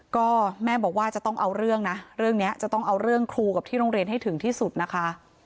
ก็แม่บอกว่าจะต้องเอาเรื่องนะเรื่องนี้จะต้องเอาเรื่องครูกับที่โรงเรียนให้ถึงที่สุดนะคะ